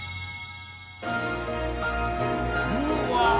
うわ！